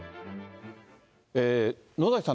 野崎さん